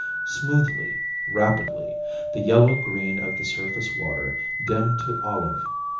Smoothly, rapidly, the yellow green of the surface water dimmed to olive.